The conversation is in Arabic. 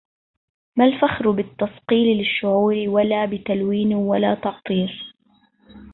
ما الفخر بالتصقيل للشعورِ ولا بتلوينٍ ولا تعطيرِ